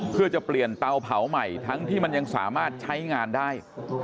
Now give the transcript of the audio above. เพื่อจะเปลี่ยนเตาเผาใหม่ทั้งที่มันยังสามารถใช้งานได้